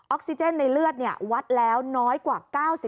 ซิเจนในเลือดวัดแล้วน้อยกว่า๙๐